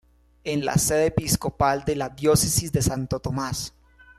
Es la sede episcopal de la Diócesis de Santo Tomás.